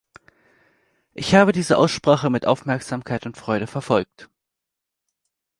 Ich habe diese Aussprache mit Aufmerksamkeit und Freude verfolgt.